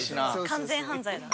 完全犯罪だ。